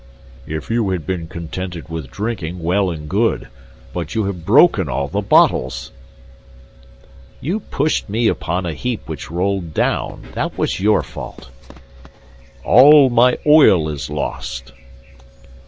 "If you had been contented with drinking, well and good; but you have broken all the bottles." "You pushed me upon a heap which rolled down. That was your fault." "All my oil is lost!"